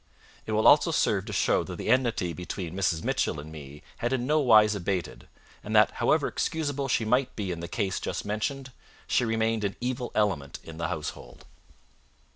It will also serve to show that the enmity between Mrs. Mitchell and me had in nowise abated, and that however excusable she might be in the case just mentioned, she remained an evil element in the household.